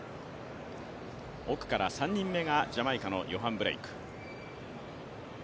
奥から３人目がジャマイカのヨハン・ブレイク。